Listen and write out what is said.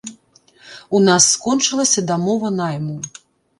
У нас скончылася дамова найму.